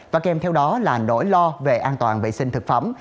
và kèm theo đó là nỗi lo về an toàn vệ sinh thực phẩm